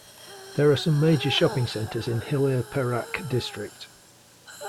There are some major shopping centers in Hilir Perak district.